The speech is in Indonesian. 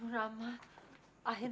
ibu udah cari kamu kesana kemari